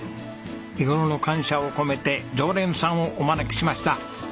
日頃の感謝を込めて常連さんをお招きしました。